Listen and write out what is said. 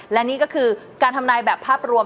และนี่ก็คือการทำนายแบบภาพรวม